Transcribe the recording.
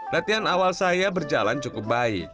latihan awal saya berjalan cukup baik